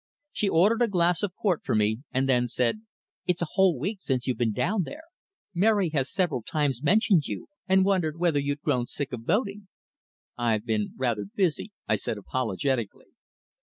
She ordered a glass of port for me, and then said, "It's a whole week since you've been down there. Mary has several times mentioned you, and wondered whether you'd grown sick of boating." "I've been rather busy," I said apologetically.